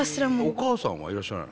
お母さんはいらっしゃらないの？